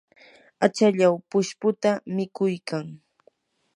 achallaw pushputa mikuykan.